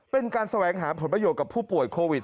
เป็นการแสวงหาผลประโยชน์กับผู้ป่วยโควิด